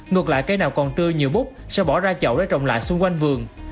ngược lại cây nào còn tươi nhiều bút sẽ bỏ ra chậu để trồng lại xung quanh vườn